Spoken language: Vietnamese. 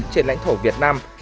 trên lãnh thổ việt nam